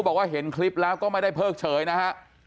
บอกว่าเห็นคลิปแล้วก็ไม่ได้เพิกเฉยนะฮะ